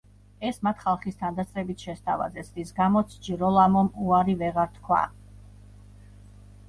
ეს მათ ხალხის თანდასწრებით შესთავაზეს, რის გამოც ჯიროლამომ უარი ვეღარ თქვა.